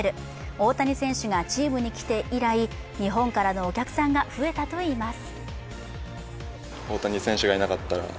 大谷選手がチームに来て以来、日本からのお客さんが増えたといいます。